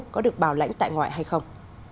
có được bảo lãnh tại ngoại hay không